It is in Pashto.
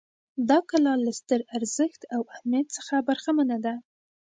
دا کلا له ستر ارزښت او اهمیت څخه برخمنه ده.